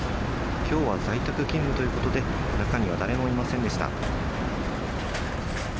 今日は在宅勤務ということで中には誰もいませんでした。